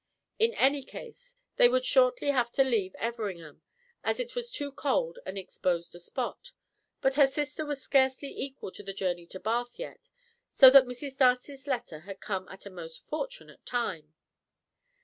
In any case, they would shortly have to leave Everingham, as it was too cold and exposed a spot, but her sister was scarcely equal to the journey to Bath yet, so that Mrs. Darcy's letter had come at a most fortunate time.